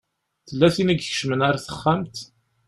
Tella tin i ikecmen ar texxamt.